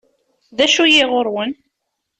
D acu-yi ɣur-wen?